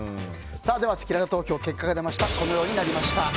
では、せきらら投票結果はこのようになりました。